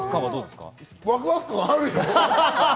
ワクワク感あるよ。